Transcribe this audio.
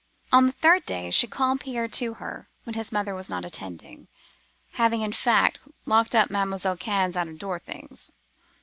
The third day, she called Pierre to her, when his mother was not attending (having, in fact, locked up Mademoiselle Cannes' out of door things).